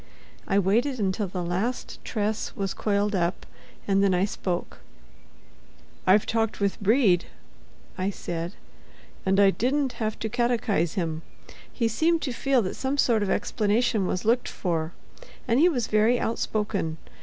I waited until the last tress was coiled up, and then I spoke: "I've talked with Brede," I said, "and I didn't have to catechize him. He seemed to feel that some sort of explanation was looked for, and he was very outspoken.